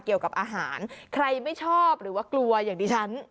เกี่ยวกับอาหารใครไม่ชอบหรือว่ากลัวอย่างดิฉัน